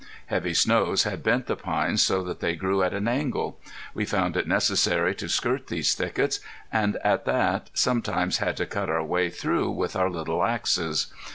Heavy snows had bent the pines so that they grew at an angle. We found it necessary to skirt these thickets, and at that, sometimes had to cut our way through with our little axes.